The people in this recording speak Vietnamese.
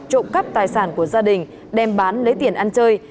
trộm cắp tài sản của gia đình đem bán lấy tiền ăn chơi